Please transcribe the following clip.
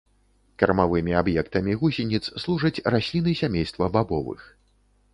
Кармавымі аб'ектамі гусеніц служаць расліны сямейства бабовых.